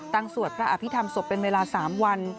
สวดพระอภิษฐรรศพเป็นเวลา๓วัน